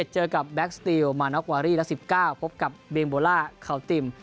๑๗เจอกับแบล็กสติลมานอกวารี่๑๙พบกับเบงโบล่าเขาติ่ม